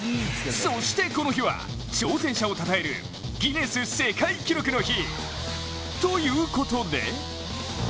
そしてこの日は挑戦者をたたえるギネス世界記録の日ということで。